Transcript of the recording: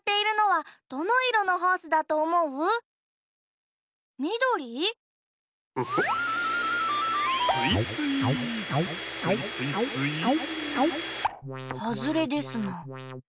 はずれですな。